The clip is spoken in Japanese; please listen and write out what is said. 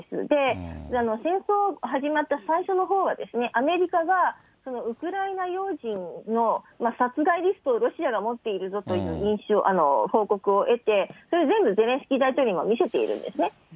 で、戦争が始まった最初のほうは、アメリカが、ウクライナ要人の殺害リストをロシアが持っているぞという報告を得て、それ全部ゼレンスキー大統領にも見せているんですね。